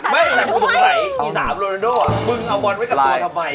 มึงเอาบอลไว้กับตัวทำไม